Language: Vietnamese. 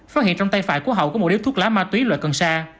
phát hiện trong tay phải của hậu có một điếu thuốc lá ma túy loại cần sa